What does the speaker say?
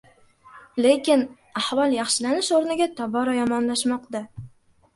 Lekin ahvol yaxshilanish o‘rniga tobora yomonlashmoqda.